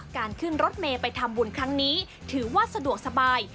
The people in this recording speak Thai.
การขึ้นรถเมย์ไปทำบุญครั้งนี้ถือว่าสะดวกสบาย